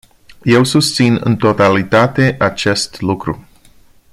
Eu susțin în totalitate acest lucru.